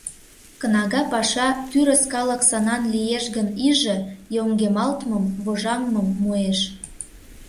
Кнага паша, тӱрыс калык сынан лиеш гын иже, йоҥгемалтмым, вожаҥмым муэш.